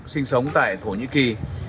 sinh sống tại thổ nhĩ kỳ